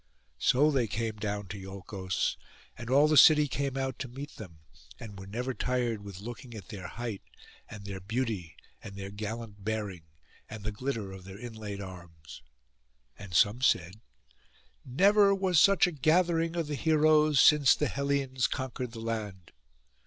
So they came down to Iolcos, and all the city came out to meet them, and were never tired with looking at their height, and their beauty, and their gallant bearing and the glitter of their inlaid arms. And some said, 'Never was such a gathering of the heroes since the Hellens conquered the land.